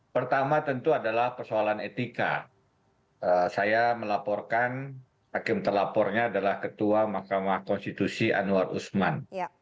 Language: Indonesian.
pertama tentu adalah persoalan etika saya melaporkan hakim telapornya adalah ketua mahkamah konstitusi anwar usman